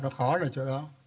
nó khó là chỗ đó